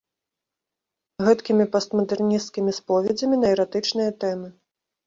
Гэткімі постмадэрнісцкімі споведзямі на эратычныя тэмы.